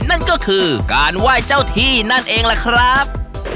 นั่นก็คือการไหว้เจ้าที่นั่นเองล่ะครับ